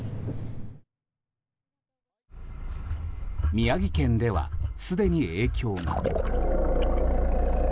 宮城県では、すでに影響が。